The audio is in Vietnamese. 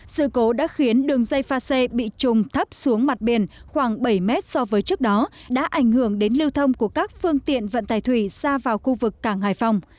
sự cố đã khiến đường dây pha xê bị trùng thấp xuống mặt biển khoảng bảy mét so với trước đó đã ảnh hưởng đến lưu thông của các phương tiện vận tải thủy ra vào khu vực cảng hải phòng